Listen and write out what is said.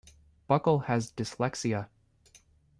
Buckell has dyslexia.